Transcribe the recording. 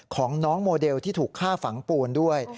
ของน้องโมเดลที่ถูกฆ่าฝังปูนด้วย